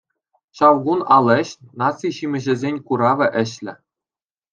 Ҫав кун алӗҫ, наци ҫимӗҫӗсен куравӗ ӗҫлӗ.